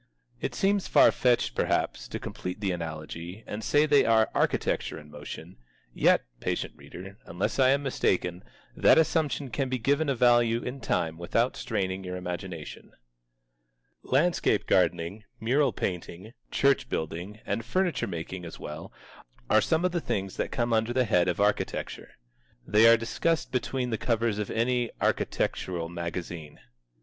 It seems far fetched, perhaps, to complete the analogy and say they are architecture in motion; yet, patient reader, unless I am mistaken, that assumption can be given a value in time without straining your imagination. Landscape gardening, mural painting, church building, and furniture making as well, are some of the things that come under the head of architecture. They are discussed between the covers of any architectural magazine.